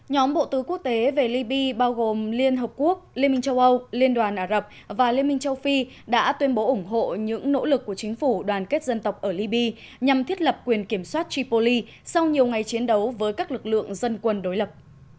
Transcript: nhóm bộ tư quốc tế về liby bao gồm liên hợp quốc liên minh châu âu liên đoàn ả rập và liên minh châu phi đã tuyên bố ủng hộ những nỗ lực của chính phủ đoàn kết dân tộc ở libya nhằm thiết lập quyền kiểm soát tripoli sau nhiều ngày chiến đấu với các lực lượng dân quân đối lập